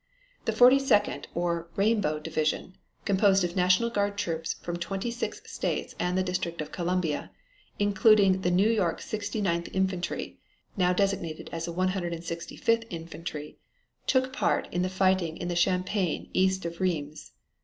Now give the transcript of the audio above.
The 42d, or "Rainbow" Division, composed of National Guard troops from twenty six states and the District of Columbia, including the New York 69th Infantry, now designated as the 165th Infantry, took part in the fighting in the Champagne east of Rheims.